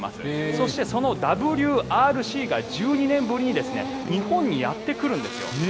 そしてそのＷＲＣが１２年ぶりに日本にやってくるんですよ。